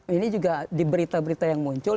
ini juga di berita berita yang muncul